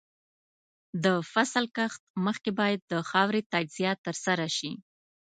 د فصل کښت مخکې باید د خاورې تجزیه ترسره شي.